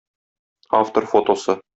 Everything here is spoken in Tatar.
Автор фотосы.